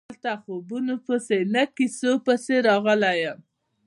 زه دلته خوبونو پسې نه کیسو پسې راغلی یم.